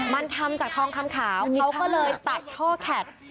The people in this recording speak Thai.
มันทำจากทองคำขาวเขาก็เลยตัดช่อแคท